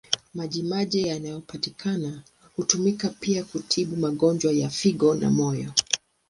Maji maji yanayopatikana hutumika pia kutibu magonjwa ya figo na moyo.